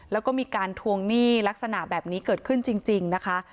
แล้วก็มีการทวงหนี้ลักษณะแบบนี้เกิดขึ้นจริงนะคะ